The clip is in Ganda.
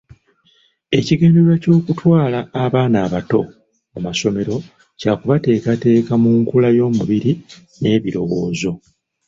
Ekigendererwa ky’okutwala abaana abato mu masomero kya kubateekateeka mu nkula y’omubiri n’ebirowoozo.